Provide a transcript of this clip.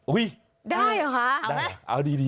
อุ้ยได้เหรอค่ะ